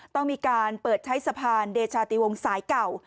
ต้องมีการเปิดใช้สะพานเดชาติวงสายเก่า